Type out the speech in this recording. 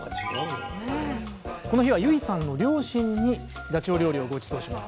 この日は優衣さんの両親にダチョウ料理をごちそうします